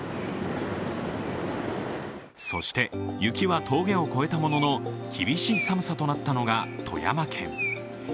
そして雪は峠を越えたものの厳しい寒さとなったのが富山県。